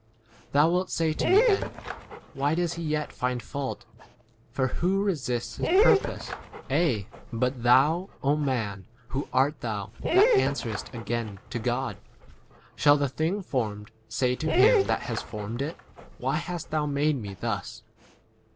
19 Thou wilt say to me then, Why does he yet find fault? for who 20 resists his purpose ? Aye, but thou, man, who art thou that answerest again to God? Shall the thing formed say to him that has formed it, Why hast thou 21 made me thus